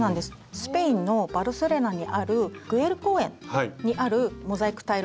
スペインのバルセロナにあるグエル公園にあるモザイクタイル